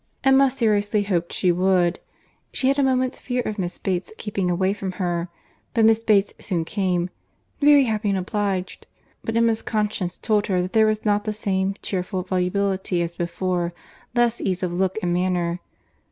Emma seriously hoped she would. She had a moment's fear of Miss Bates keeping away from her. But Miss Bates soon came—"Very happy and obliged"—but Emma's conscience told her that there was not the same cheerful volubility as before—less ease of look and manner.